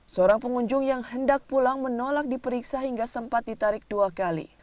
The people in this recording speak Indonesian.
seorang pengunjung yang hendak pulang menolak diperiksa hingga sempat ditarik dua kali